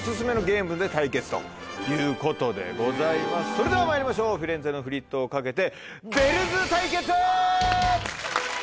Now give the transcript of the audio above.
それではまいりましょうフィレンツェのフリットを懸けて。